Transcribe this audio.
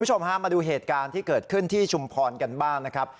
คุณผู้ชมฮะมาดูเหตุการณ์ที่เกิดขึ้นที่ชุมพรกันบ้างนะครับ